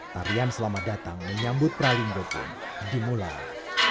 tarian selamat datang menyambut praling depun dimulai